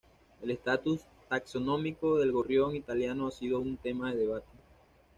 El estatus taxonómico del gorrión italiano ha sido un tema de debate.